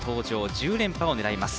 １０連覇を狙います。